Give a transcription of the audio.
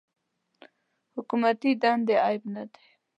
حکومتي دندې عیب نه دی.